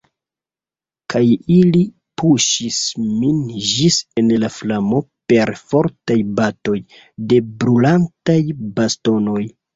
Kaj ili puŝis min ĝis en la flamo per fortaj batoj de brulantaj bastonoj.